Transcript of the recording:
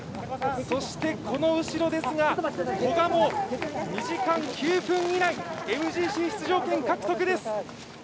そしてこの後ろですが、古賀も２時間９分以内、ＭＧＣ出場権獲得です！